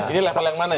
ini level yang mana ini